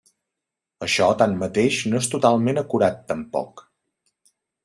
Això, tanmateix, no és totalment acurat tampoc.